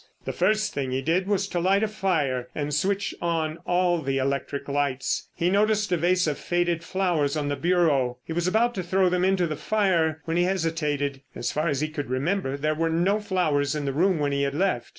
The first thing he did was to light a fire and switch on all the electric lights. He noticed a vase of faded flowers on the bureau. He was about to throw them into the fire when he hesitated. As far as he could remember there were no flowers in the room when he had left.